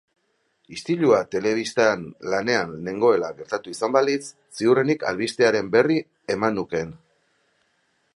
Istilua telebistan lanean nengoela gertatu izan balitz, ziurrenik albistearen berri eman nukeen.